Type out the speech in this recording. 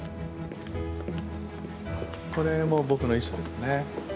これも僕の衣装ですね。